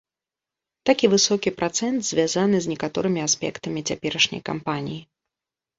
Такі высокі працэнт звязны з некаторымі аспектамі цяперашняй кампаніі.